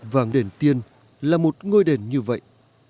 vàng đền tiên là một ngôi đền như vậy